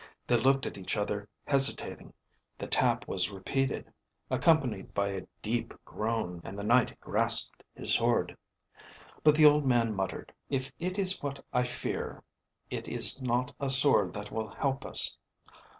They looked at each other hesitating; the tap was repeated, accompanied by a deep groan, and the Knight grasped his sword. But the old man muttered, "If it is what I fear, it is not a sword that will help us!"